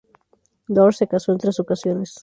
Dors se casó en tres ocasiones.